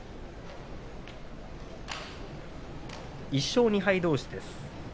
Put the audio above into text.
１勝２敗どうし。